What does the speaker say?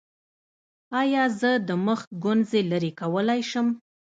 ایا زه د مخ ګونځې لرې کولی شم؟